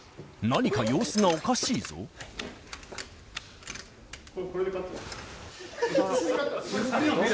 何か様子がおかしいぞ・